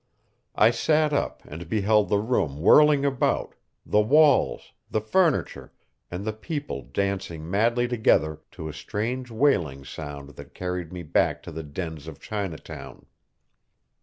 I sat up and beheld the room whirling about, the walls, the furniture, and the people dancing madly together to a strange wailing sound that carried me back to the dens of Chinatown.